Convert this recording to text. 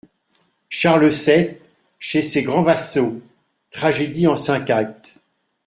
=Charles sept chez ses grands vassaux.= Tragédie en cinq actes.